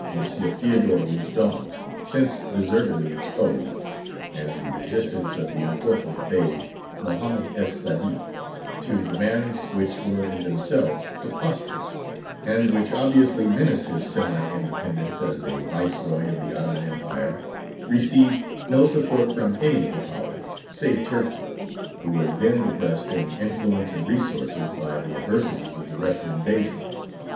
Théodore Roustan, since deservedly exposed and the resistance of the unfortunate Bey, Mohammed Es Sādik, to demands which were in themselves preposterous, and which obviously menaced his semi independence as a viceroy of the Ottoman Empire, received no support from any of the Powers, save Turkey, who was then depressed in influence and resources by the adversities of the Russian invasion.